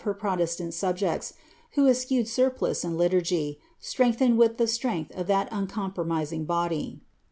lier protestant subjecte, who eschewed surplice and liturgy, Btreng; th< with ihe slrenglh of that uncompromising body.